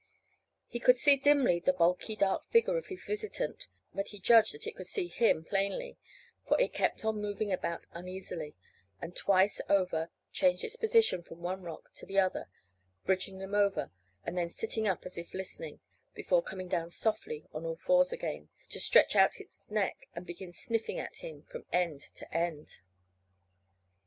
He could see dimly the bulky dark figure of his visitant, but he judged that it could see him plainly, for it kept on moving about uneasily, and twice over changed its position from one rock to the other, bridging them over, and then sitting up as if listening, before coming down softly on all fours again, to stretch out its neck and begin sniffing at him from end to end.